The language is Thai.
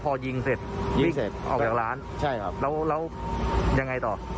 พอยิงเสร็จยิงเสร็จออกจากร้านใช่ครับแล้วยังไงต่อ